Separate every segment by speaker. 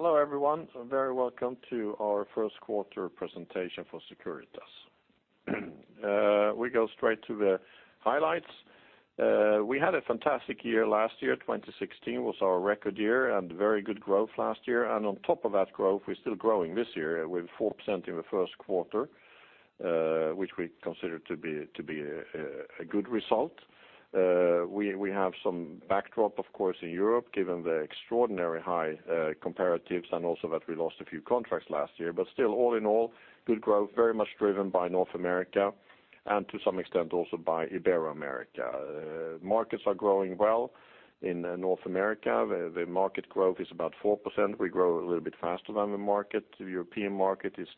Speaker 1: Hello everyone. Very welcome to our first quarter presentation for Securitas. We go straight to the highlights. We had a fantastic year last year. 2016 was our record year and very good growth last year. And on top of that growth, we're still growing this year. We're 4% in the first quarter, which we consider to be a good result. We have some backdrop, of course, in Europe given the extraordinarily high comparatives and also that we lost a few contracts last year. But still, all in all, good growth very much driven by North America and to some extent also by Ibero-America. Markets are growing well in North America. The market growth is about 4%. We grow a little bit faster than the market. The European market is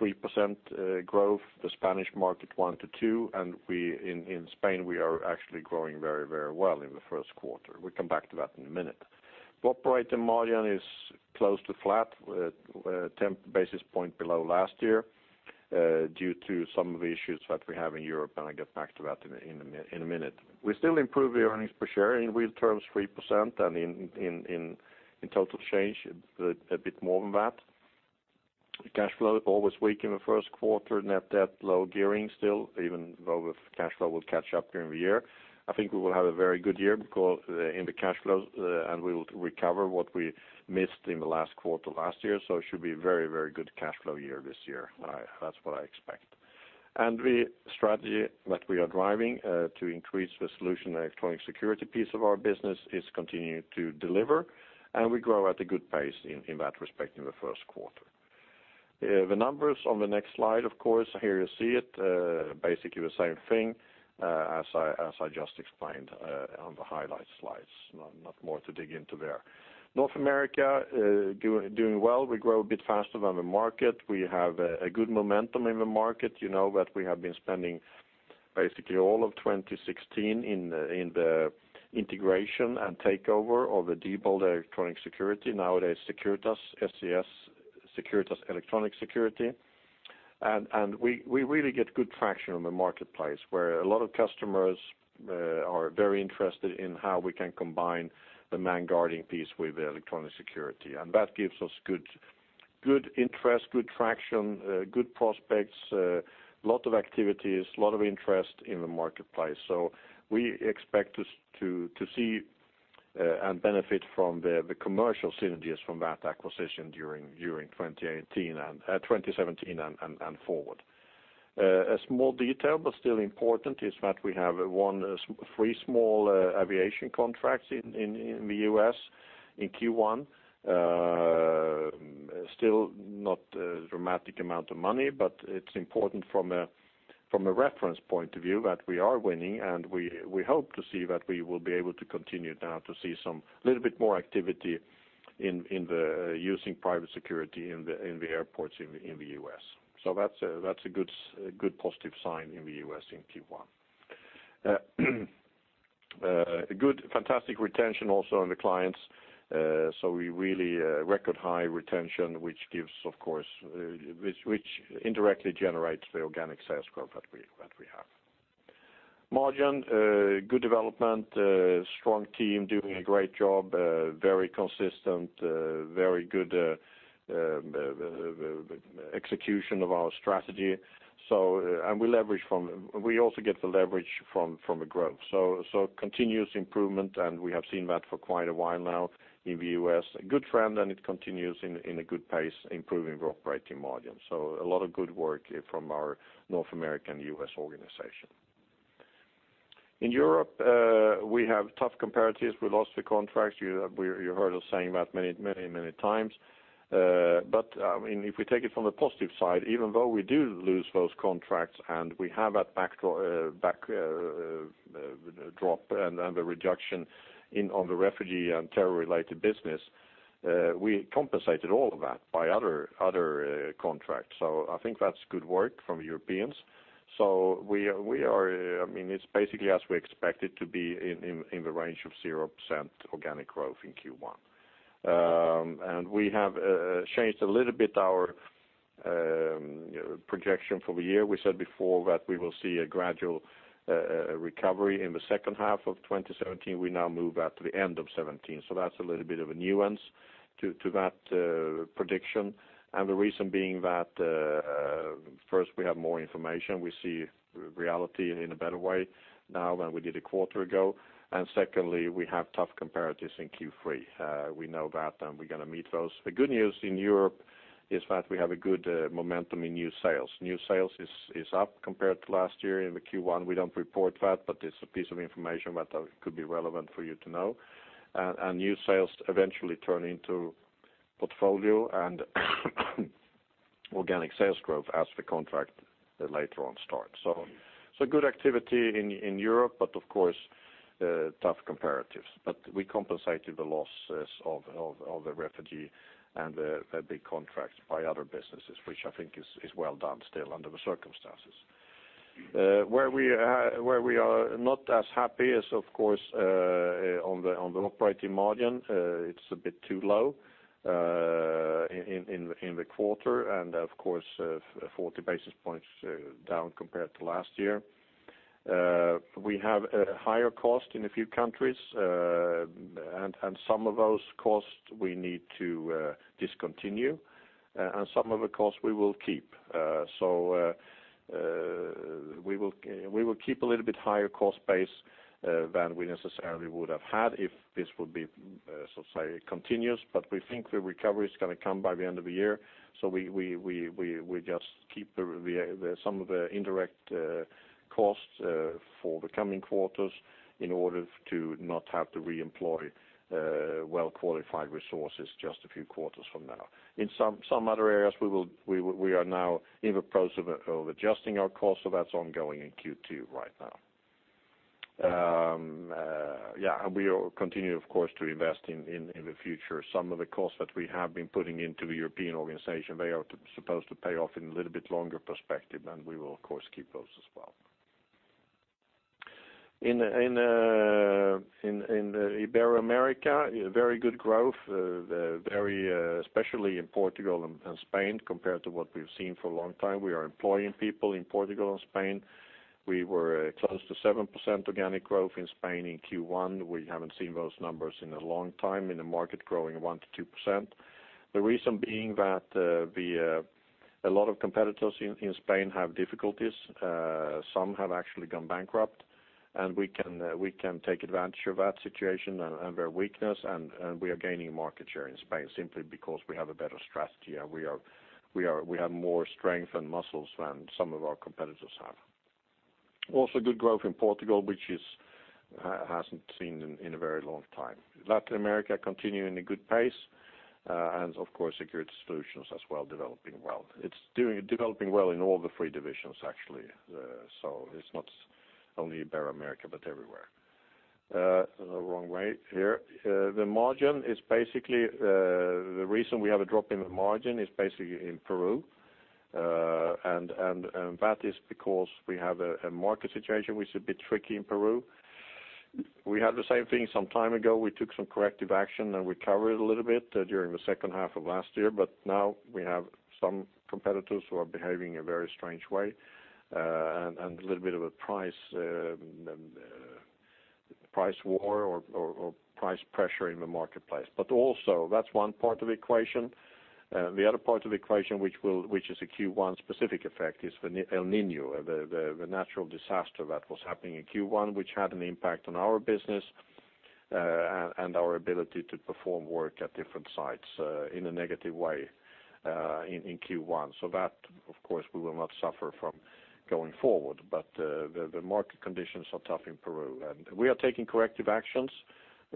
Speaker 1: 2%-3% growth. The Spanish market 1%-2%. In Spain, we are actually growing very very well in the first quarter. We come back to that in a minute. Corporate demand is close to flat, 10 basis points below last year, due to some of the issues that we have in Europe. And I'll get back to that in a minute. We still improve the earnings per share in real terms 3% and in total change a bit more than that. Cash flow always weak in the first quarter. Net debt low gearing still even though the cash flow will catch up during the year. I think we will have a very good year because in the cash flows, and we will recover what we missed in the last quarter last year. So it should be a very good cash flow year this year. That's what I expect. And the strategy that we are driving, to increase the solution electronic security piece of our business is continue to deliver. And we grow at a good pace in that respect in the first quarter. The numbers on the next slide, of course. Here you see it. Basically the same thing, as I just explained, on the highlight slides. No, not more to dig into there. North America, doing well. We grow a bit faster than the market. We have a good momentum in the market. You know that we have been spending basically all of 2016 in the integration and takeover of the Diebold electronic security. Nowadays Securitas SES Securitas electronic security. And we really get good traction on the marketplace where a lot of customers are very interested in how we can combine the man-guarding piece with the electronic security. And that gives us good interest, good traction, good prospects, lot of activities, lot of interest in the marketplace. So we expect to see and benefit from the commercial synergies from that acquisition during 2018 and 2017 and forward. A small detail but still important is that we have one to three small aviation contracts in the U.S. in Q1. Still not a dramatic amount of money. But it's important from a reference point of view that we are winning. And we hope to see that we will be able to continue now to see some little bit more activity in the using private security in the airports in the U.S.. So that's a good positive sign in the U.S. in Q1. Good fantastic retention also in the clients. So we really record high retention which gives, of course, which indirectly generates the organic sales growth that we have. Margin, good development. Strong team doing a great job. Very consistent. Very good execution of our strategy. So, and we leverage from we also get the leverage from the growth. So continuous improvement. And we have seen that for quite a while now in the U.S.. Good trend. And it continues in a good pace improving the operating margin. So a lot of good work from our North American U.S. organization. In Europe, we have tough comparatives. We lost the contracts. You heard us saying that many many many times. But I mean if we take it from the positive side even though we do lose those contracts and we have that backdrop and the reduction in the refugee and terror-related business, we compensated all of that by other contracts. So I think that's good work from Europeans. So we are. I mean it's basically as we expect it to be in the range of 0% organic growth in Q1. We have changed a little bit our projection for the year. We said before that we will see a gradual recovery in the second half of 2017. We now move out to the end of 2017. So that's a little bit of a nuance to that prediction. And the reason being that first we have more information. We see reality in a better way now than we did a quarter ago. And secondly, we have tough comparatives in Q3. We know that. And we're gonna meet those. The good news in Europe is that we have a good momentum in new sales. New sales is up compared to last year in the Q1. We don't report that. But it's a piece of information that could be relevant for you to know. And new sales eventually turn into portfolio and organic sales growth as the contract later on starts. So good activity in Europe. But of course, tough comparatives. But we compensated the losses of the refugee and the big contracts by other businesses which I think is well done still under the circumstances. Where we are not as happy is, of course, on the operating margin. It's a bit too low, in the quarter. And of course, 40 basis points, down compared to last year. We have a higher cost in a few countries. And some of those costs we need to discontinue. And some of the costs we will keep. So, we will keep a little bit higher cost base, than we necessarily would have had if this would be, so to say continuous. But we think the recovery is gonna come by the end of the year. So we just keep some of the indirect costs for the coming quarters in order to not have to reemploy well-qualified resources just a few quarters from now. In some other areas, we are now in the process of adjusting our costs. So that's ongoing in Q2 right now. Yeah. And we are continuing, of course, to invest in the future. Some of the costs that we have been putting into the European organization, they are supposed to pay off in a little bit longer perspective. And we will, of course, keep those as well. In Ibero-America, very good growth, very especially in Portugal and Spain compared to what we've seen for a long time. We are employing people in Portugal and Spain. We were close to 7% organic growth in Spain in Q1. We haven't seen those numbers in a long time in a market growing 1%-2%. The reason being that a lot of competitors in Spain have difficulties. Some have actually gone bankrupt. We can take advantage of that situation and their weakness. We are gaining market share in Spain simply because we have a better strategy. We have more strength and muscles than some of our competitors have. Also good growth in Portugal, which hasn't seen in a very long time. Latin America continuing a good pace. And of course Securitas Solutions as well developing well. It's developing well in all three divisions actually. So it's not only Ibero-America but everywhere. The margin is basically the reason we have a drop in the margin is basically in Peru. And that is because we have a market situation which is a bit tricky in Peru. We had the same thing some time ago. We took some corrective action. And we covered it a little bit during the second half of last year. But now we have some competitors who are behaving in a very strange way, and a little bit of a price war or price pressure in the marketplace. But also that's one part of the equation. The other part of the equation which is a Q1 specific effect is El Niño. The natural disaster that was happening in Q1 which had an impact on our business, and our ability to perform work at different sites in a negative way in Q1. So that, of course, we will not suffer from going forward. But the market conditions are tough in Peru. And we are taking corrective actions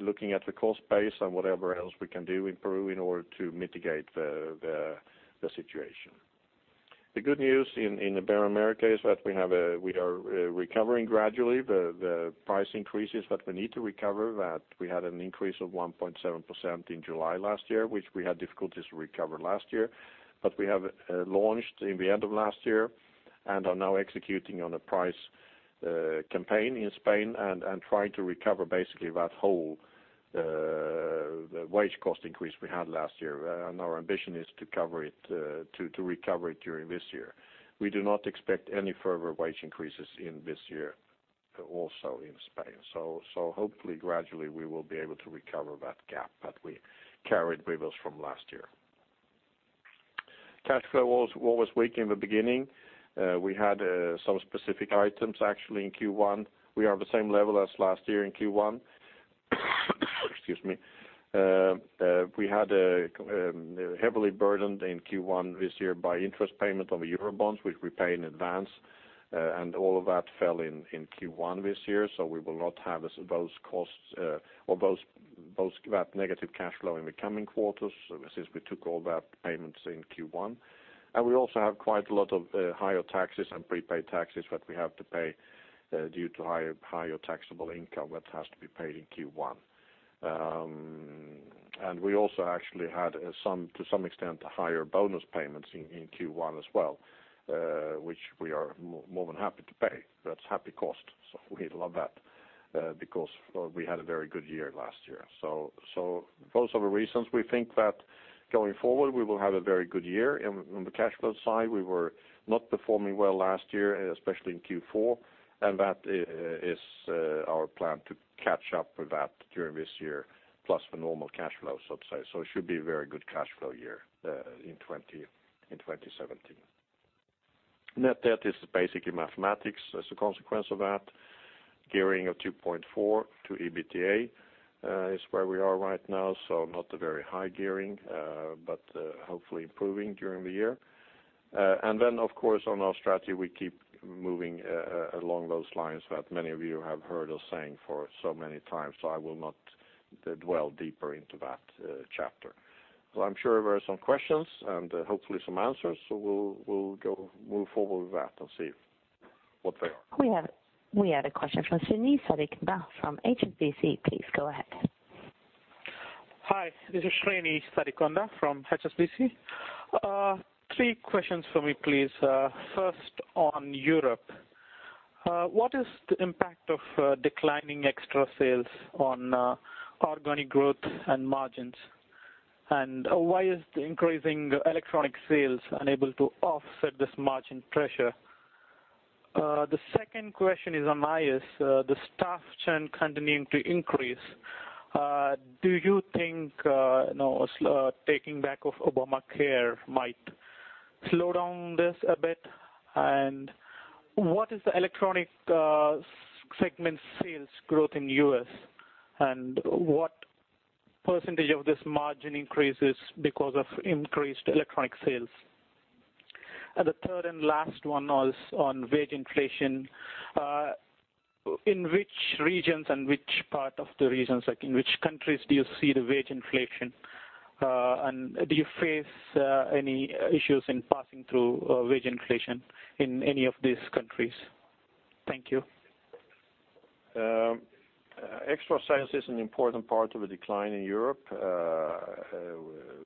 Speaker 1: looking at the cost base and whatever else we can do in Peru in order to mitigate the situation. The good news in Ibero-America is that we are recovering gradually. The price increases that we need to recover that we had an increase of 1.7% in July last year which we had difficulties recover last year. But we have launched at the end of last year and are now executing on a price campaign in Spain and trying to recover basically that whole wage cost increase we had last year. Our ambition is to cover it, to recover it during this year. We do not expect any further wage increases in this year, also in Spain. So hopefully gradually we will be able to recover that gap that we carried with us from last year. Cash flow always weak in the beginning. We had some specific items actually in Q1. We are at the same level as last year in Q1. Excuse me. We had heavily burdened in Q1 this year by interest payment on the Eurobonds which we pay in advance. And all of that fell in Q1 this year. So we will not have those costs, or those that negative cash flow in the coming quarters since we took all that payments in Q1. And we also have quite a lot of higher taxes and prepaid taxes that we have to pay, due to higher taxable income that has to be paid in Q1. And we also actually had, some to some extent higher bonus payments in Q1 as well, which we are more than happy to pay. That's happy cost. So we love that, because we had a very good year last year. So those are the reasons. We think that going forward we will have a very good year in on the cash flow side. We were not performing well last year, especially in Q4. That is our plan to catch up with that during this year plus the normal cash flow so to say. So it should be a very good cash flow year in 2017. Net debt is basically mathematics as a consequence of that. Gearing of 2.4 to EBITA is where we are right now. So not a very high gearing, but hopefully improving during the year. And then of course on our strategy we keep moving along those lines that many of you have heard us saying for so many times. So I will not dwell deeper into that chapter. So I'm sure there are some questions and hopefully some answers. So we'll we'll go move forward with that and see what they are.
Speaker 2: We had a question from Srinivasa Sarikonda from HSBC. Please go ahead.
Speaker 3: Hi. This is Srinivasa Sarikonda from HSBC. Three questions for me please. First on Europe. What is the impact of declining extra sales on organic growth and margins? And why is the increasing electronic sales unable to offset this margin pressure? The second question is on U.S.. The staff churn continuing to increase. Do you think, you know, the taking back of Obamacare might slow down this a bit? And what is the electronics segment sales growth in U.S.? And what percentage of this margin increases because of increased electronic sales? And the third and last one was on wage inflation. In which regions and which part of the regions like in which countries do you see the wage inflation? And do you face any issues in passing through wage inflation in any of these countries? Thank you.
Speaker 1: Extra Sales is an important part of the decline in Europe,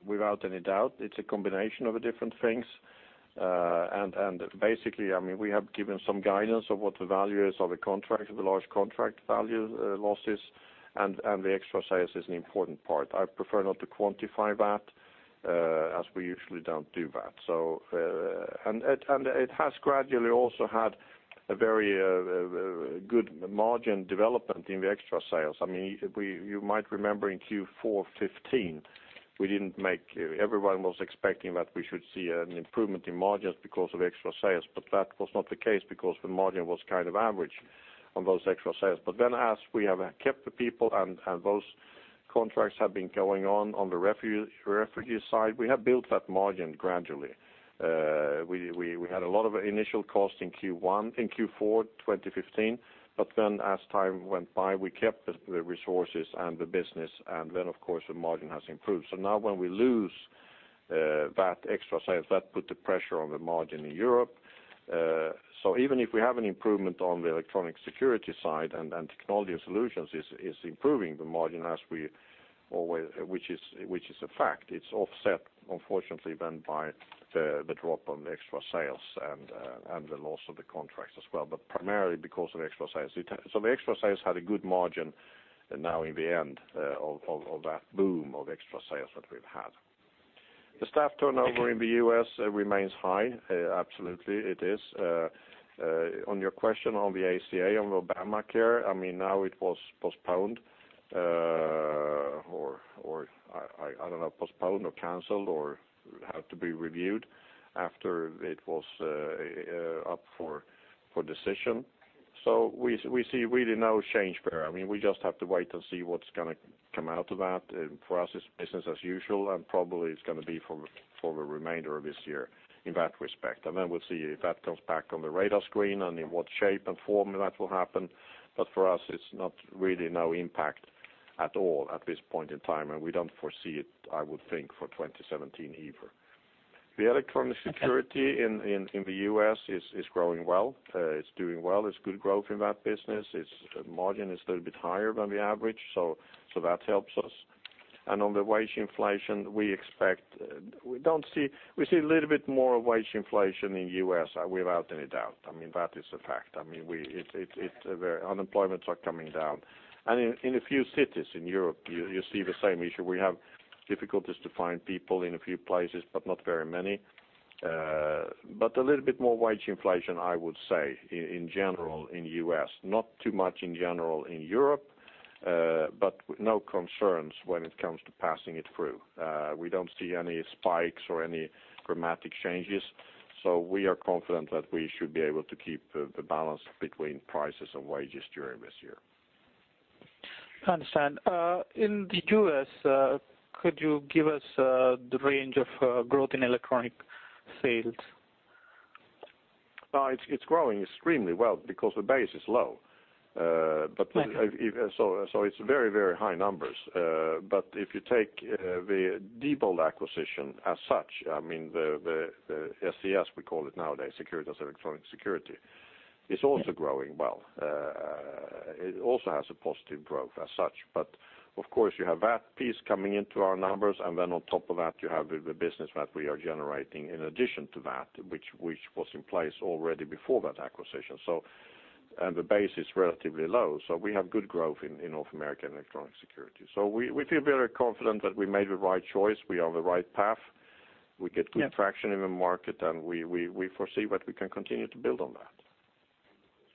Speaker 1: without any doubt. It's a combination of different things. And basically I mean we have given some guidance of what the value is of the contracts of the large contract values, losses. And the extra sales is an important part. I prefer not to quantify that, as we usually don't do that. So, it has gradually also had a very good margin development in the extra sales. I mean we you might remember in Q4 2015 we didn't make everyone was expecting that we should see an improvement in margins because of extra sales. But that was not the case because the margin was kind of average on those extra sales. But then as we have kept the people and those contracts have been going on on the refugee side we have built that margin gradually. We had a lot of initial cost in Q1 in Q4 2015. But then as time went by we kept the resources and the business. And then of course the margin has improved. So now when we lose that extra sales that put the pressure on the margin in Europe. So even if we have an improvement on the electronic security side and technology and solutions is improving the margin as we always, which is a fact. It's offset unfortunately then by the drop on the extra sales and the loss of the contracts as well. But primarily because of extra sales. It has so the extra sales had a good margin now in the end of that boom of extra sales that we've had. The staff turnover in the U.S. remains high. Absolutely it is. On your question on the ACA on Obamacare, I mean, now it was postponed, or—I don't know—postponed or canceled or had to be reviewed after it was up for decision. So we see really no change there. I mean, we just have to wait and see what's gonna come out of that. For us, it's business as usual. And probably it's gonna be for the remainder of this year in that respect. And then we'll see if that comes back on the radar screen and in what shape and form that will happen. But for us it's not really no impact at all at this point in time. And we don't foresee it, I would think, for 2017 either. The electronic security in the U.S. is growing well. It's doing well. It's good growth in that business. Its margin is a little bit higher than the average. So that helps us. And on the wage inflation we expect, we see a little bit more of wage inflation in the U.S. without any doubt. I mean that is a fact. I mean the unemployment is coming down. And in a few cities in Europe you see the same issue. We have difficulties to find people in a few places but not very many. But a little bit more wage inflation I would say in general in the U.S. Not too much in general in Europe. But no concerns when it comes to passing it through. We don't see any spikes or any dramatic changes. So we are confident that we should be able to keep the balance between prices and wages during this year. I understand. In the U.S., could you give us the range of growth in electronic sales? It's growing extremely well because the base is low. But if so, it's very, very high numbers. But if you take the Diebold acquisition as such, I mean, the SES we call it nowadays, Securitas Electronic Security, is also growing well. It also has a positive growth as such. But of course you have that piece coming into our numbers. And then on top of that you have the business that we are generating in addition to that, which was in place already before that acquisition. So the base is relatively low. So we have good growth in North American Electronic Security. So we feel very confident that we made the right choice. We are on the right path. We get good traction in the market. We foresee that we can continue to build on that.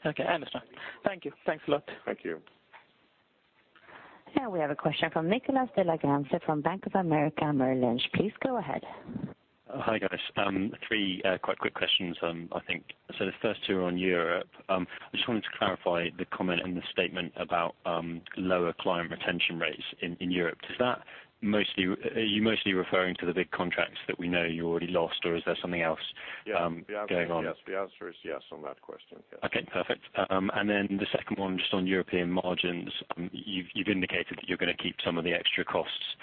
Speaker 3: Okay. I understand. Thank you. Thanks a lot.
Speaker 1: Thank you.
Speaker 2: Yeah. We have a question from Nicholas de la Grense from Bank of America Merrill Lynch. Please go ahead.
Speaker 4: Hi, guys. Three quite quick questions. I just wanted to clarify the comment and the statement about lower client retention rates in Europe. Does that mostly are you mostly referring to the big contracts that we know you already lost or is there something else going on?
Speaker 1: Yeah. The answer is yes. The answer is yes on that question. Yes.
Speaker 4: Okay. Perfect. And then the second one just on European margins. You've indicated that you're gonna keep some of the extra costs,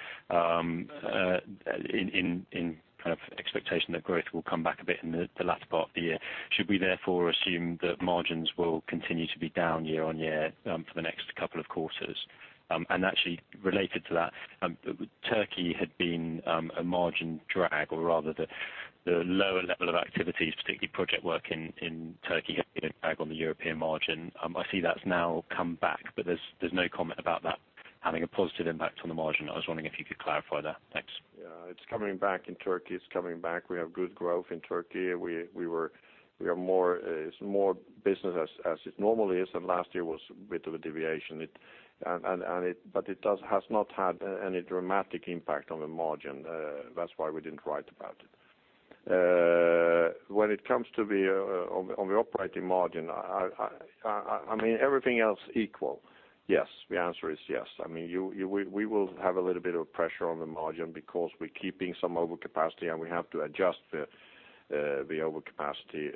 Speaker 4: in kind of expectation that growth will come back a bit in the latter part of the year. Should we therefore assume that margins will continue to be down year on year, for the next couple of quarters? Actually related to that, Turkey had been a margin drag, or rather the lower level of activities, particularly project work in Turkey, had been a drag on the European margin. I see that's now come back. But there's no comment about that having a positive impact on the margin. I was wondering if you could clarify that. Thanks.
Speaker 1: Yeah. It's coming back in Turkey. It's coming back. We have good growth in Turkey. We were we are more. It's more business as it normally is. And last year was with a deviation. It, but it has not had any dramatic impact on the margin. That's why we didn't write about it. When it comes to the operating margin, I mean, everything else equal. Yes. The answer is yes. I mean, we will have a little bit of pressure on the margin because we're keeping some overcapacity. And we have to adjust the overcapacity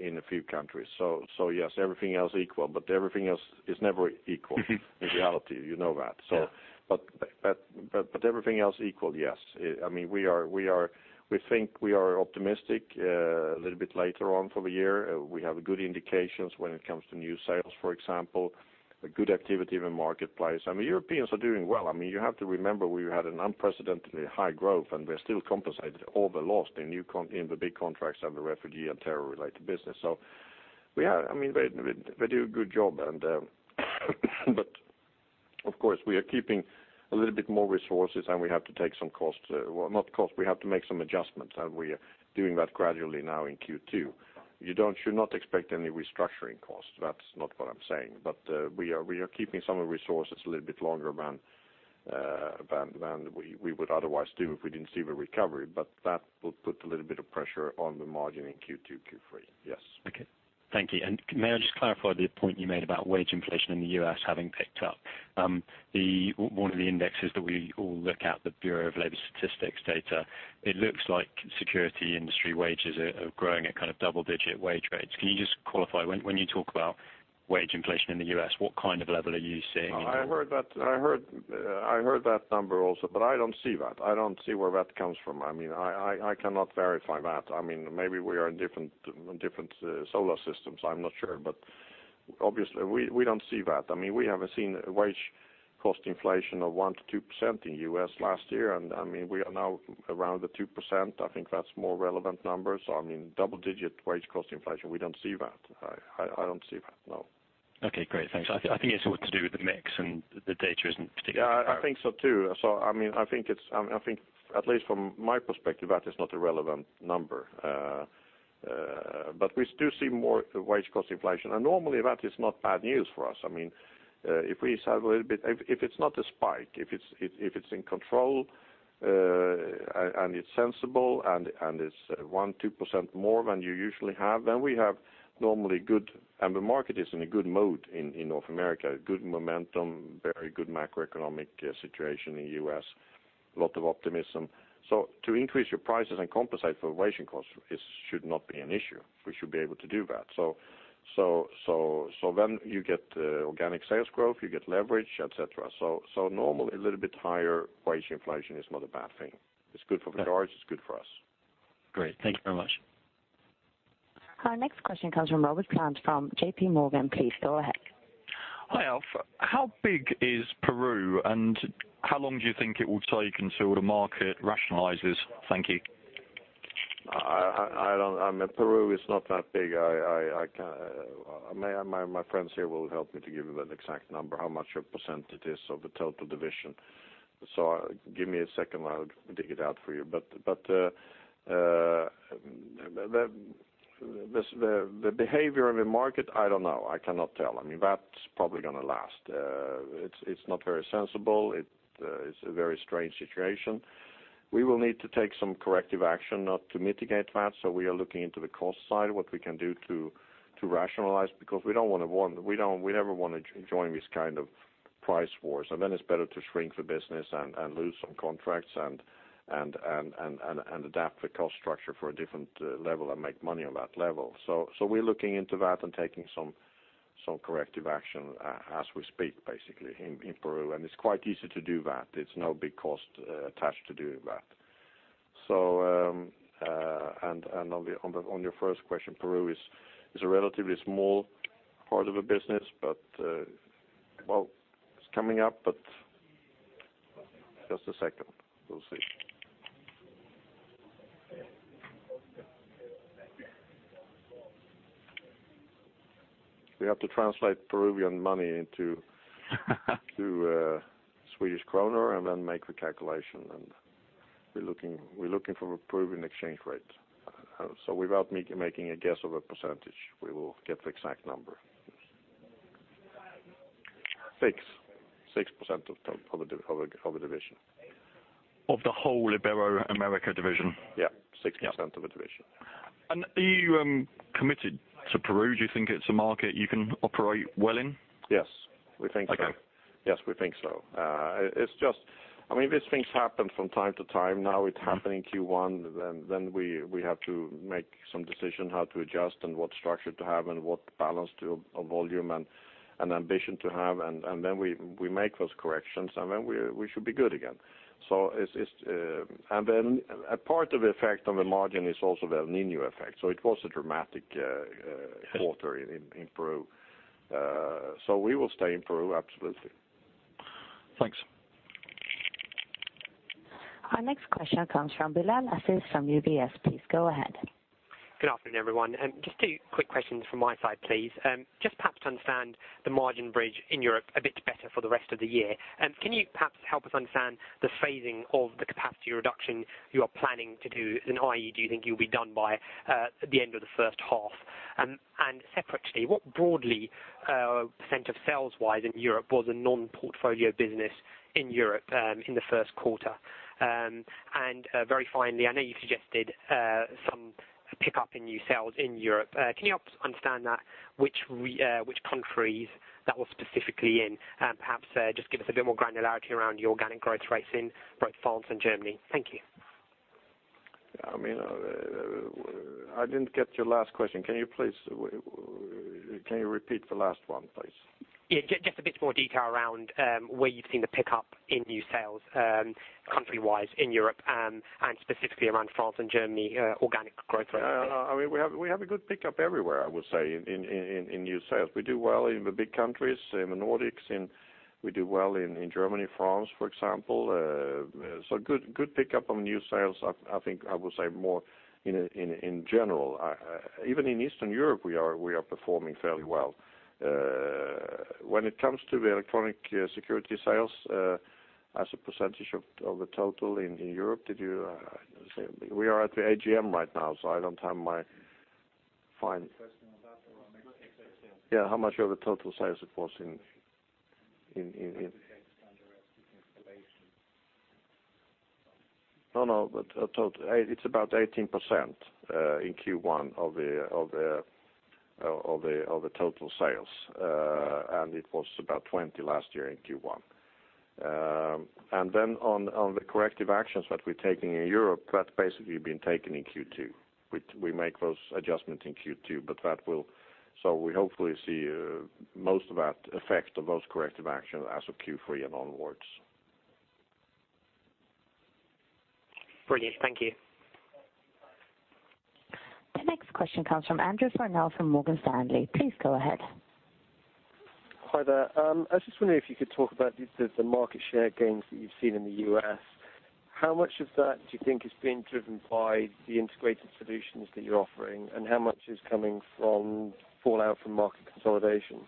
Speaker 1: in a few countries. So, yes. Everything else equal. But everything else is never equal in reality. You know that. So, but everything else equal, yes. I mean, we think we are optimistic a little bit later on for the year. We have good indications when it comes to new sales, for example. A good activity in the marketplace. I mean, Europeans are doing well. I mean, you have to remember we had an unprecedentedly high growth. And we're still compensated all the loss in new con in the big contracts and the refugee and terror-related business. So, I mean, they do a good job. And, but of course we are keeping a little bit more resources. And we have to take some costs. Well, not costs. We have to make some adjustments. And we are doing that gradually now in Q2. You don't should not expect any restructuring costs. That's not what I'm saying. But, we are keeping some of the resources a little bit longer than we would otherwise do if we didn't see the recovery. But that will put a little bit of pressure on the margin in Q2 Q3. Yes.
Speaker 4: Okay. Thank you. And may I just clarify the point you made about wage inflation in the U.S. having picked up? One of the indexes that we all look at, the Bureau of Labor Statistics data, it looks like security industry wages are growing at kind of double-digit wage rates. Can you just qualify when you talk about wage inflation in the U.S. what kind of level are you seeing in Europe?
Speaker 1: I heard that. I heard that number also. But I don't see that. I don't see where that comes from. I mean, I cannot verify that. I mean, maybe we are in different solar systems. I'm not sure. But obviously we don't see that. I mean we haven't seen wage cost inflation of 1%-2% in the U.S. last year. And I mean we are now around the 2%. I think that's more relevant numbers. I mean double-digit wage cost inflation we don't see that. I don't see that. No.
Speaker 4: Okay. Great. Thanks. I think it's all to do with the mix. And the data isn't particularly correct.
Speaker 1: Yeah. I think so too. So I mean I think it's I mean I think at least from my perspective that is not a relevant number. But we do see more wage cost inflation. And normally that is not bad news for us. I mean, if we said a little bit, if it's not a spike, if it's in control, and it's sensible, and it's 1%-2% more than you usually have, then we have normally good and the market is in a good mode in North America. Good momentum. Very good macroeconomic situation in the U.S.. Lot of optimism. So to increase your prices and compensate for wage costs should not be an issue. We should be able to do that. So then you get organic sales growth. You get leverage et cetera. So normally a little bit higher wage inflation is not a bad thing. It's good for the guys. It's good for us.
Speaker 4: Great. Thank you very much.
Speaker 2: Our next question comes from Robert Plant from J.P. Morgan. Please go ahead.
Speaker 5: Hi Alf. How big is Peru? How long do you think it will take until the market rationalizes? Thank you.
Speaker 1: I don't—I mean, Peru is not that big. I can't. May I—my friends here will help me to give you that exact number, how much a percent it is of the total division. So give me a second. I'll dig it out for you. But the behavior of the market, I don't know. I cannot tell. I mean, that's probably gonna last. It's not very sensible. It's a very strange situation. We will need to take some corrective action not to mitigate that. So we are looking into the cost side, what we can do to rationalize because we don't wanna join. We don't—we never wanna join this kind of price wars. And then it's better to shrink the business and lose some contracts and adapt the cost structure for a different level and make money on that level. So we're looking into that and taking some corrective action as we speak basically in Peru. And it's quite easy to do that. It's no big cost attached to doing that. So and on your first question Peru is a relatively small part of the business. But well it's coming up. But just a second. We'll see. We have to translate Peruvian money into Swedish kronor and then make the calculation. And we're looking for a Peruvian exchange rate. So without making a guess of a percentage we will get the exact number. 6% of the division.
Speaker 5: Of the whole Ibero-America division?
Speaker 1: Yeah. 6% of the division. Yeah.
Speaker 5: And are you committed to Peru? Do you think it's a market you can operate well in?
Speaker 1: Yes. We think so. Okay. Yes. We think so. It's just, I mean, these things happen from time to time. Now it happened in Q1. Then we have to make some decision how to adjust and what structure to have and what balance of volume and ambition to have. And then we make those corrections. And then we should be good again. So it's, and then a part of the effect on the margin is also the El Niño effect. So it was a dramatic quarter in Peru. So we will stay in Peru. Absolutely.
Speaker 5: Thanks.
Speaker 2: Our next question comes from Bilal Aziz from UBS. Please go ahead.
Speaker 6: Good afternoon everyone. Just two quick questions from my side, please. Just perhaps to understand the margin bridge in Europe a bit better for the rest of the year. Can you perhaps help us understand the phasing of the capacity reduction you are planning to do? And i.e., do you think you'll be done by the end of the first half? And separately, what broadly percent of sales-wise in Europe was a non-portfolio business in Europe in the first quarter? And very finally, I know you suggested some pickup in new sales in Europe. Can you help us understand that? Which re which countries that was specifically in? And perhaps just give us a bit more granularity around the organic growth rates in both France and Germany. Thank you.
Speaker 1: Yeah. I mean, I didn't get your last question. Can you please repeat the last one, please?
Speaker 6: Yeah. Just a bit more detail around where you've seen the pickup in new sales, country-wise in Europe, and specifically around France and Germany, organic growth rates.
Speaker 1: Yeah. I mean we have a good pickup everywhere I would say in new sales. We do well in the big countries in the Nordics. And we do well in Germany France for example. So good good pickup on new sales. I think I would say more in general. I even in Eastern Europe we are performing fairly well. When it comes to the electronic security sales, as a percentage of the total in Europe did you say we are at the AGM right now. So I don't have my fine.
Speaker 6: Question about the or mixed exit sales?
Speaker 1: Yeah. How much of the total sales it was in. No. No. But total 8 it's about 18%, in Q1 of the total sales. And it was about 20 last year in Q1. And then on the corrective actions that we're taking in Europe that basically been taken in Q2. We make those adjustments in Q2. But that will so we hopefully see most of that effect of those corrective actions as of Q3 and onwards.
Speaker 6: Brilliant. Thank you.
Speaker 2: The next question comes from Andrew Farnell from Morgan Stanley. Please go ahead.
Speaker 7: Hi there. I was just wondering if you could talk about the market share gains that you've seen in the U.S.. How much of that do you think is being driven by the integrated solutions that you're offering? And how much is coming from fallout from market consolidation?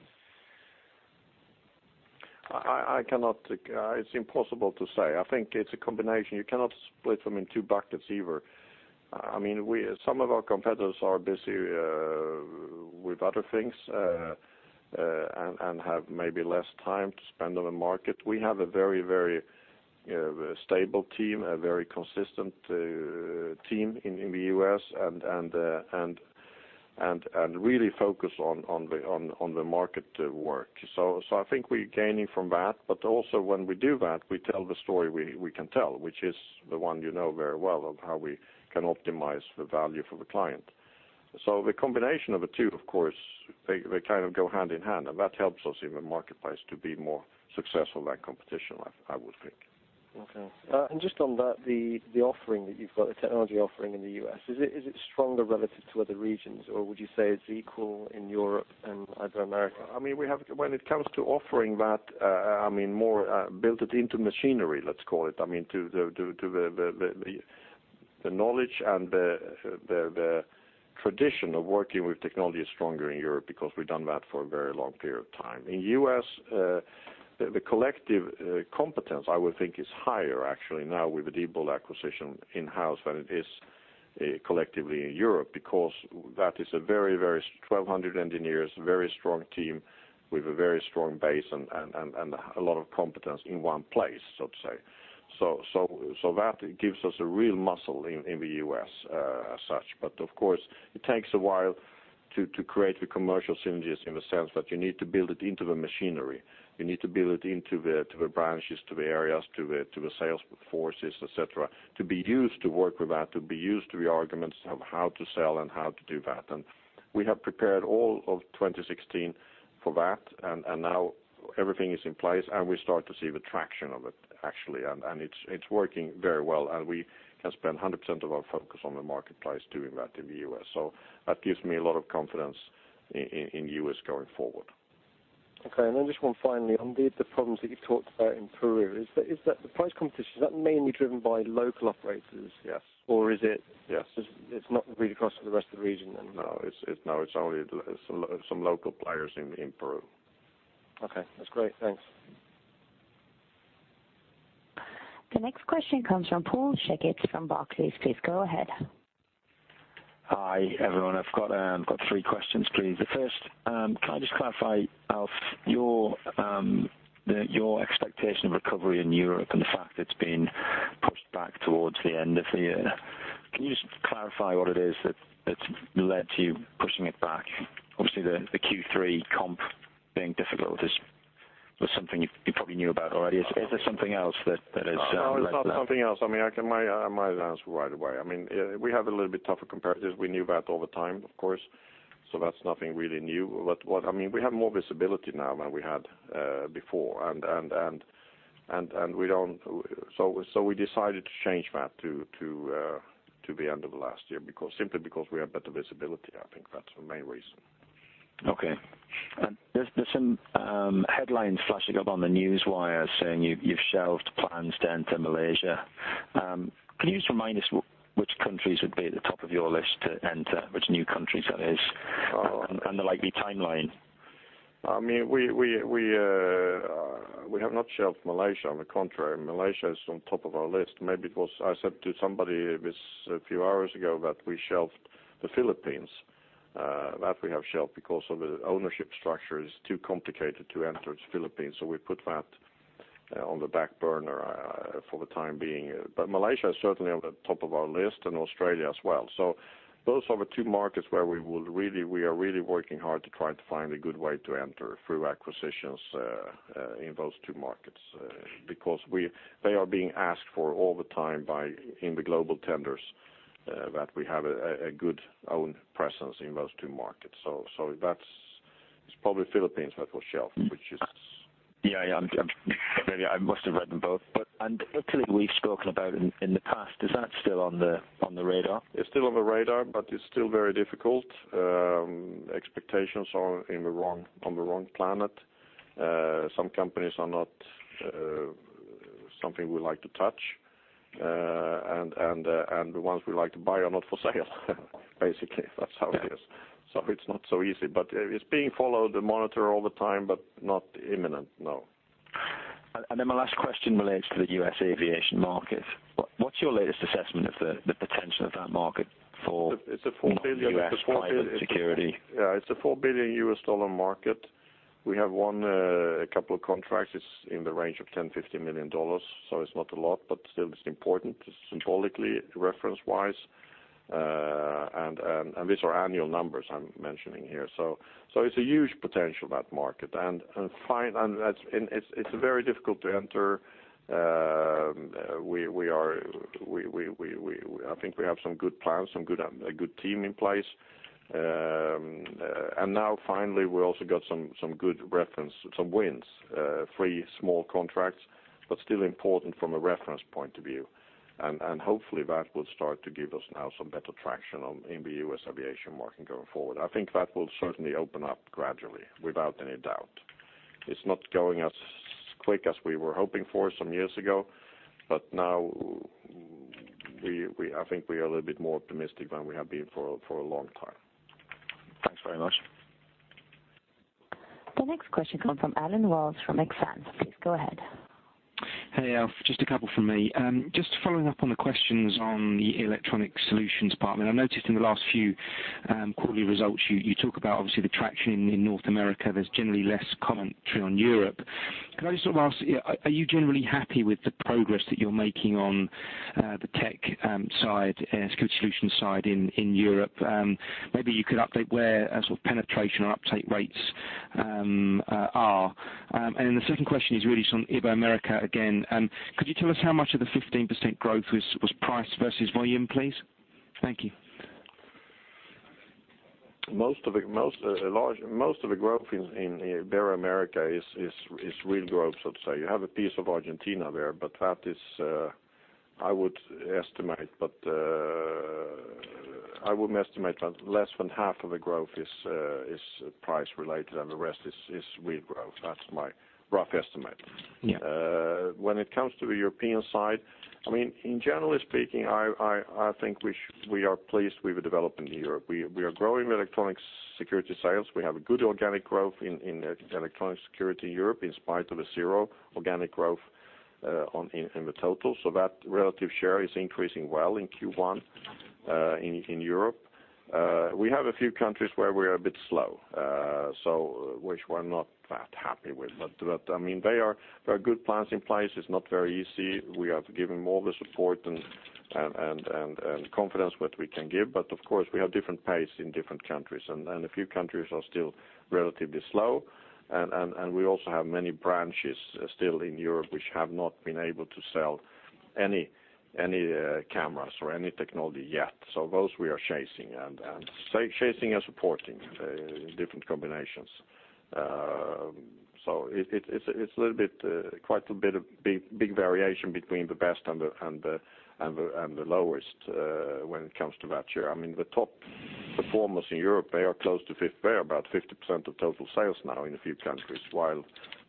Speaker 1: I cannot. It's impossible to say. I think it's a combination. You cannot split them in two buckets either. I mean some of our competitors are busy with other things and have maybe less time to spend on the market. We have a very stable team. A very consistent team in the U.S. And really focus on the market work. So I think we're gaining from that. But also when we do that we tell the story we can tell which is the one you know very well of how we can optimize the value for the client. So the combination of the two of course they kind of go hand in hand. That helps us in the marketplace to be more successful than competition. I would think.
Speaker 7: Okay. And just on that, the offering that you've got, the technology offering in the U.S., is it stronger relative to other regions? Or would you say it's equal in Europe and other America?
Speaker 1: I mean, we have, when it comes to offering that, I mean more built it into machinery, let's call it. I mean, to the knowledge and the tradition of working with technology is stronger in Europe because we've done that for a very long period of time. In the U.S., the collective competence I would think is higher actually now with the Diebold acquisition in-house than it is collectively in Europe because that is a very very 1,200 engineers very strong team with a very strong base and a lot of competence in one place, so to say. So that gives us a real muscle in the U.S. as such. But of course it takes a while to create the commercial synergies in the sense that you need to build it into the machinery. You need to build it into the branches to the areas to the sales forces et cetera to be used to work with that. To be used to the arguments of how to sell and how to do that. And we have prepared all of 2016 for that. And now everything is in place. And we start to see the traction of it actually. And it's working very well. And we can spend 100% of our focus on the marketplace doing that in the U.S.. So that gives me a lot of confidence in the U.S. going forward.
Speaker 7: Okay. And then just one finally. On the problems that you've talked about in Peru, is that the price competition mainly driven by local operators?
Speaker 1: Yes.
Speaker 7: Or is it?
Speaker 1: Yes.
Speaker 7: Just it's not really across the rest of the region then?
Speaker 1: No. It's no, it's only some local players in Peru.
Speaker 7: Okay. That's great. Thanks.
Speaker 2: The next question comes from Paul Checketts from Barclays. Please go ahead.
Speaker 8: Hi everyone. I've got three questions please. First, can I just clarify, Alf, your expectation of recovery in Europe and the fact it's been pushed back towards the end of the year? Can you just clarify what it is that's led to you pushing it back? Obviously, the Q3 comp being difficult was something you probably knew about already. Is there something else that has led to that?
Speaker 1: No. There's not something else. I mean, I might answer right away. I mean, we have a little bit tougher competitors. We knew that over time, of course. So that's nothing really new. But I mean, we have more visibility now than we had before. And so we decided to change that to the end of last year because simply because we have better visibility. I think that's the main reason.
Speaker 8: Okay. There's some headlines flashing up on the newswires saying you've shelved plans to enter Malaysia. Can you just remind us which countries would be at the top of your list to enter? Which new countries that is? And the likely timeline.
Speaker 1: I mean, we have not shelved Malaysia. On the contrary, Malaysia is on top of our list. Maybe it was I said to somebody this, a few hours ago, that we shelved the Philippines. That we have shelved because of the ownership structure is too complicated to enter the Philippines. So we put that on the back burner for the time being. But Malaysia is certainly on the top of our list. And Australia as well. So those are the two markets where we are really working hard to try to find a good way to enter through acquisitions in those two markets, because they are being asked for all the time in the global tenders that we have a good own presence in those two markets. So that's probably Philippines that was shelved, which is.
Speaker 8: Yeah. Yeah. I'm maybe I must have read them both. But Italy we've spoken about in the past. Is that still on the radar?
Speaker 1: It's still on the radar. But it's still very difficult. Expectations are on the wrong planet. Some companies are not something we like to touch, and the ones we like to buy are not for sale basically. That's how it is. So it's not so easy. But it's being followed and monitored all the time but not imminent. No.
Speaker 8: And then my last question relates to the U.S. aviation market. What's your latest assessment of the potential of that market for. It's a $4 billion U.S. private security market.
Speaker 1: Yeah. It's a $4 billion U.S. dollar market. We have a couple of contracts. It's in the range of $10 million-$50 million. So it's not a lot. But still it's important symbolically reference-wise. And these are annual numbers I'm mentioning here. So it's a huge potential that market. And finally that's and it's very difficult to enter. We are we I think we have some good plans. Some good a good team in place. And now finally we also got some good reference some wins. 3 small contracts. But still important from a reference point of view. And hopefully that will start to give us now some better traction in the U.S. aviation market going forward. I think that will certainly open up gradually without any doubt. It's not going as so quick as we were hoping for some years ago. But now we I think we are a little bit more optimistic than we have been for a long time.
Speaker 8: Thanks very much.
Speaker 2: The next question comes from Allen Wells from Exane BNP Paribas. Please go ahead.
Speaker 9: Hey Alf. Just a couple from me. Just following up on the questions on the electronic solutions department. I've noticed in the last few quarterly results you talk about obviously the traction in North America. There's generally less commentary on Europe. Can I just sort of ask, yeah, are you generally happy with the progress that you're making on the tech side, security solutions side, in Europe? Maybe you could update where sort of penetration or uptake rates are. And then the second question is really on Ibero-America again. Could you tell us how much of the 15% growth was price versus volume, please? Thank you.
Speaker 1: Most of the growth in Ibero-America is real growth, so to say. You have a piece of Argentina there. But that is, I would estimate, but less than half of the growth is price related. And the rest is real growth. That's my rough estimate.
Speaker 9: Yeah.
Speaker 1: When it comes to the European side, I mean, in general speaking, I think we are pleased with the development in Europe. We are growing electronic security sales. We have a good organic growth in electronic security Europe in spite of the zero organic growth in the total. So that relative share is increasing well in Q1 in Europe. We have a few countries where we are a bit slow, so which we're not that happy with. But I mean, there are good plans in place. It's not very easy. We have given more of the support and confidence that we can give. But of course we have different pace in different countries. And a few countries are still relatively slow. And we also have many branches still in Europe which have not been able to sell any cameras or any technology yet. So those we are chasing and supporting in different combinations. So it's a little bit quite a bit of big variation between the best and the lowest when it comes to that share. I mean the top performers in Europe they are close to 50% there. About 50% of total sales now in a few countries. While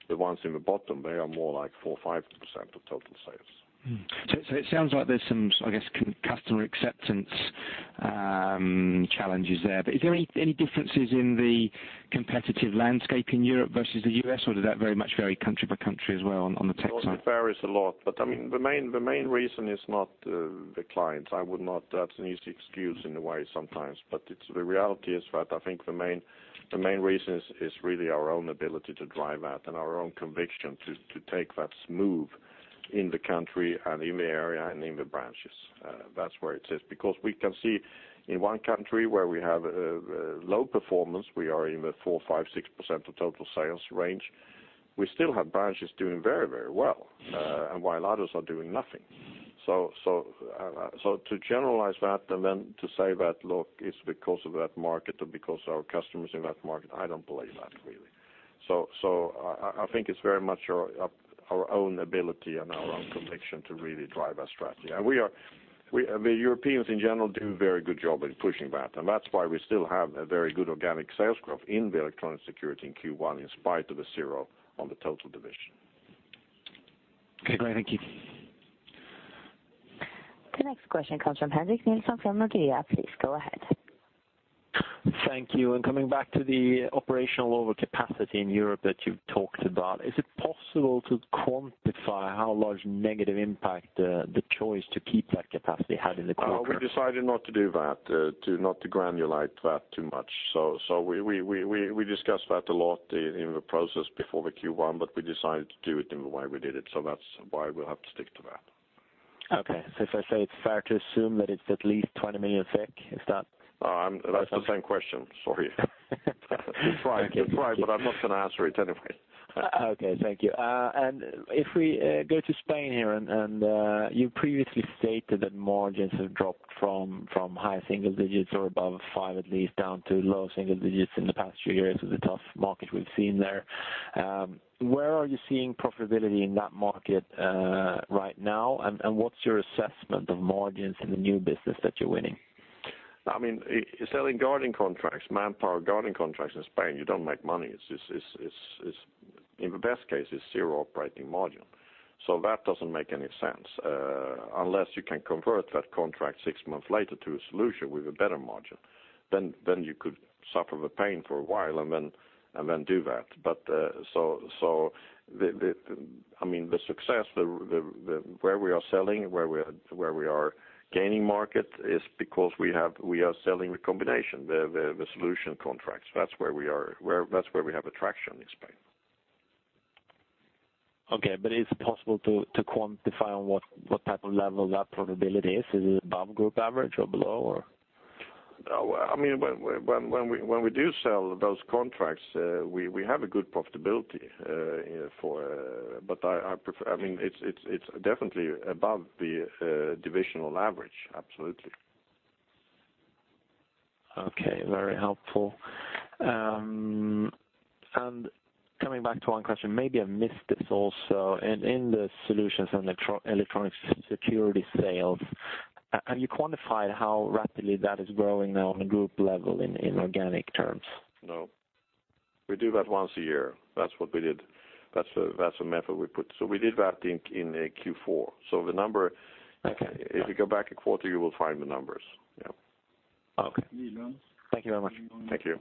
Speaker 1: the ones in the bottom they are more like 4-5% of total sales.
Speaker 9: So it sounds like there's some I guess customer acceptance challenges there. But is there any differences in the competitive landscape in Europe versus the U.S.? Or does that very much vary country by country as well on the tech side?
Speaker 1: Well, it varies a lot. But I mean the main reason is not the clients. I would not; that's an easy excuse in a way sometimes. But it's the reality is that I think the main reason is really our own ability to drive that. And our own conviction to take that smooth in the country and in the area and in the branches. That's where it sits because we can see in one country where we have low performance we are in the 4%-6% of total sales range. We still have branches doing very very well and while others are doing nothing. So, to generalize that and then to say that, look, it's because of that market or because of our customers in that market, I don't believe that really. So, I think it's very much our own ability and our own conviction to really drive that strategy. And we, the Europeans in general, do a very good job in pushing that. And that's why we still have a very good organic sales growth in the electronic security in Q1 in spite of the zero on the total division.
Speaker 9: Okay. Great. Thank you.
Speaker 2: The next question comes from Henrik Nilsson from Nordea. Please go ahead.
Speaker 10: Thank you. And coming back to the operational overcapacity in Europe that you've talked about. Is it possible to quantify how large negative impact the choice to keep that capacity had in the quarter?
Speaker 1: We decided not to do that, to not granulate that too much. So we discussed that a lot in the process before the Q1. But we decided to do it in the way we did it. So that's why we'll have to stick to that.
Speaker 10: Okay. So if I say it's fair to assume that it's at least 20 million, is that?
Speaker 1: Oh, that's the same question. Sorry. That's right. That's right. But I'm not gonna answer it anyway.
Speaker 10: Okay. Thank you. And if we go to Spain here and you previously stated that margins have dropped from high single digits or above five at least down to low single digits in the past few years with the tough market we've seen there, where are you seeing profitability in that market right now? What's your assessment of margins in the new business that you're winning?
Speaker 1: I mean, selling guarding contracts, manpower guarding contracts in Spain, you don't make money. It's, in the best case, zero operating margin. So that doesn't make any sense unless you can convert that contract six months later to a solution with a better margin. Then you could suffer the pain for a while and then do that. But the thing I mean, the success where we are selling, where we are gaining market, is because we are selling the combination. The solution contracts. That's where we have attraction in Spain.
Speaker 10: Okay. But is it possible to quantify on what type of level that profitability is? Is it above group average or below? Or. No,
Speaker 1: I mean, when we do sell those contracts, we have a good profitability, but I prefer—I mean, it's definitely above the divisional average. Absolutely.
Speaker 10: Okay. Very helpful. Coming back to one question. Maybe I missed this also. In the solutions and electronic security sales, have you quantified how rapidly that is growing now on a group level in organic terms?
Speaker 1: No. We do that once a year. That's what we did. That's a method we put, so we did that in Q4. So the number. Okay. If you go back a quarter, you will find the numbers. Yeah.
Speaker 10: Okay. Thank you very much.
Speaker 1: Thank you.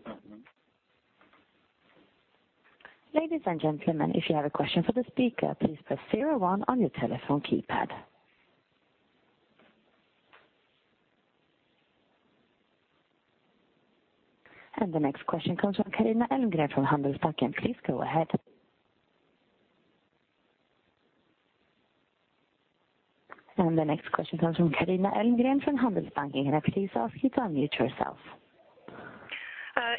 Speaker 2: Ladies and gentlemen, if you have a question for the speaker please press zero one on your telephone keypad. And the next question comes from Carina Elmgren from Handelsbanken. Please go ahead. And the next question comes from Carina Elmgren from Handelsbanken. Can I please ask you to unmute yourself?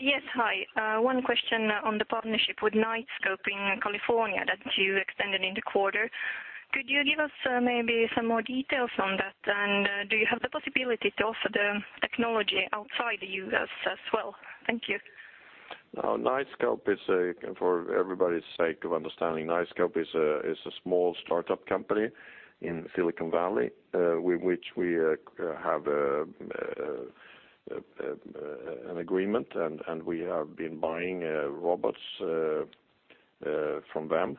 Speaker 11: Yes. Hi. One question on the partnership with Knightscope in California that you extended in the quarter. Could you give us maybe some more details on that? And do you have the possibility to offer the technology outside the U.S. as well? Thank you.
Speaker 1: Now Knightscope is a, for everybody's sake of understanding, Knightscope is a small startup company in Silicon Valley with which we have an agreement. We have been buying robots from them,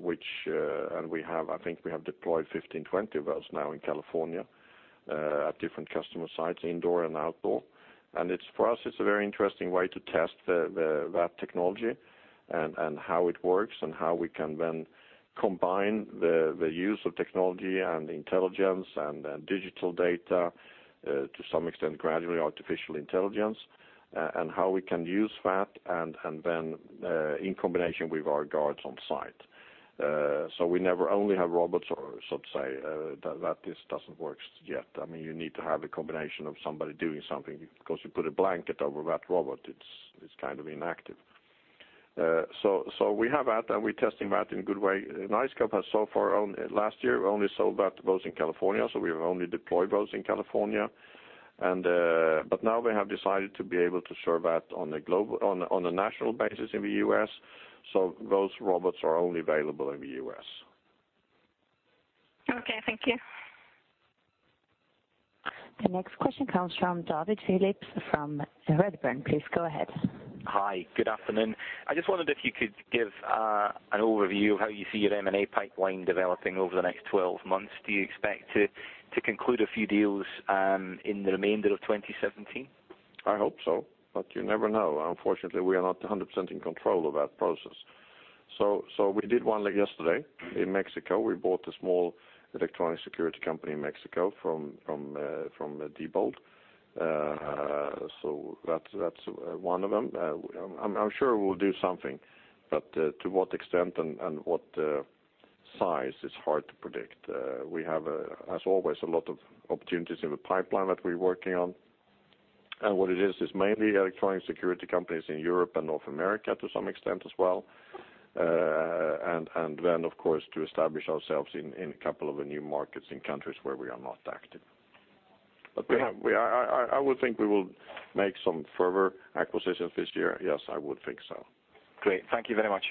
Speaker 1: which we have—I think we have deployed 15-20 of those now in California at different customer sites, indoor and outdoor. And it's for us a very interesting way to test that technology and how it works and how we can then combine the use of technology and intelligence and digital data to some extent, gradually artificial intelligence, and how we can use that and then in combination with our guards on site. So we never only have robots or so to say that this doesn't work yet. I mean you need to have a combination of somebody doing something. 'Cause you put a blanket over that robot it's kind of inactive. So we have that and we're testing that in a good way. Knightscope has so far only sold those last year in California. So we've only deployed those in California. But now they have decided to be able to serve that on a national basis in the U.S.. So those robots are only available in the U.S..
Speaker 11: Okay. Thank you.
Speaker 2: The next question comes from David Phillips from Redburn. Please go ahead.
Speaker 12: Hi. Good afternoon. I just wondered if you could give an overview of how you see your M and A pipeline developing over the next 12 months. Do you expect to conclude a few deals in the remainder of 2017?
Speaker 1: I hope so. But you never know. Unfortunately we are not 100% in control of that process. So we did one deal yesterday in Mexico. We bought a small electronic security company in Mexico from Diebold. So that's one of them. I'm sure we'll do something. But to what extent and what size it's hard to predict. We have as always a lot of opportunities in the pipeline that we're working on. And what it is is mainly electronic security companies in Europe and North America to some extent as well. And then of course to establish ourselves in a couple of the new markets in countries where we are not active. But I would th ink we will make some further acquisitions this year. Yes, I would think so.
Speaker 12: Great. Thank you very much.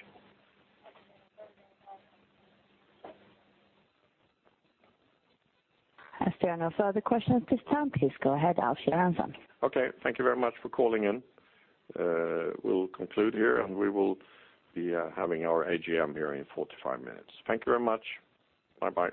Speaker 2: Has there any further questions at this time? Please go ahead, Alf. You're answering.
Speaker 1: Okay. Thank you very much for calling in. We'll conclude here and we will be having our AGM here in 45 minutes. Thank you very much. Bye-bye.